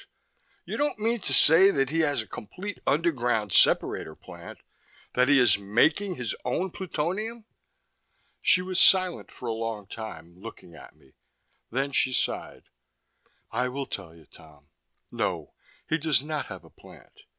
You don't mean to say that he has a complete underground separator plant that he is making his own plutonium!" She was silent for a long time, looking at me. Then she sighed. "I will tell you, Tom. No, he does not have a plant.